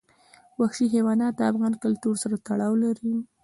وحشي حیوانات د افغان کلتور سره تړاو لري.